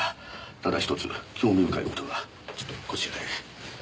ただひとつ興味深い事がちょっとこちらへ。